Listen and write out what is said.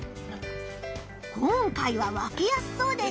今回は分けやすそうです。